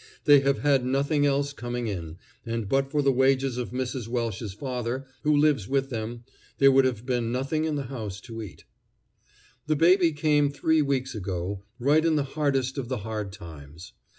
They have had nothing else coming in, and but for the wages of Mrs. Welsh's father, who lives with them, there would have been nothing in the house to eat. The baby came three weeks ago, right in the hardest of the hard times.